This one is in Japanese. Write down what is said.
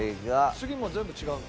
次もう全部違うの？